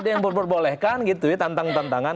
yang berbolehkan gitu tantang tantangan